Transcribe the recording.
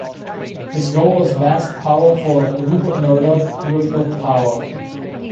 His goal is vast power for Rupert Murdoch, political power.